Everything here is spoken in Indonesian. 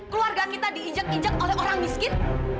keluarga kita diinjak injak oleh orang miskin